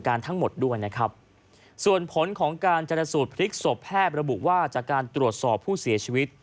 ทั้งหมดด้วยนะครับส่วนผลของการจรสูตรพลิกศพแพทย์ระบุว่าจากการตรวจสอบผู้เสียชีวิต